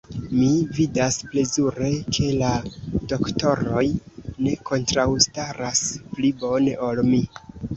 Mi vidas plezure, ke la doktoroj ne kontraŭstaras pli bone ol mi.